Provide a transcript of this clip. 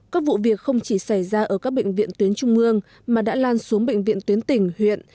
các vụ việc không chỉ xảy ra ở các bệnh viện tuyến trung ương mà đã lan xuống bệnh viện tuyến tỉnh huyện